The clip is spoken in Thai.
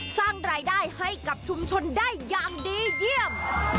สร้างรายได้ให้กับชุมชนได้อย่างดีเยี่ยม